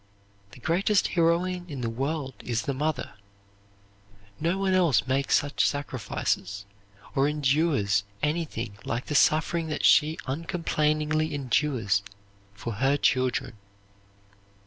The greatest heroine in the world is the mother. No one else makes such sacrifices, or endures anything like the suffering that she uncomplainingly endures for her children.